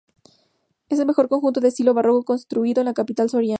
Es el mejor conjunto de estilo barroco construido en la capital soriana.